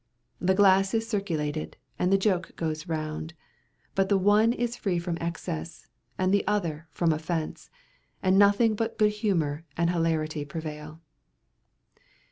The glass is circulated, and the joke goes round; but the one is free from excess, and the other from offence; and nothing but good humour and hilarity prevail.